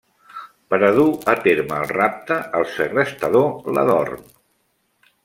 Per dur a terme el rapte, el segrestador l'adorm.